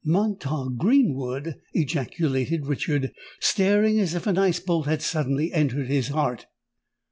"Montague—Greenwood!" ejaculated Richard, starting as if an ice bolt had suddenly entered his heart.